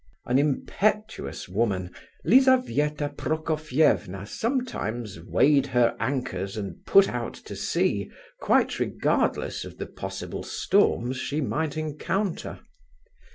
An impetuous woman, Lizabetha Prokofievna sometimes weighed her anchors and put out to sea quite regardless of the possible storms she might encounter.